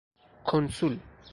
کنسول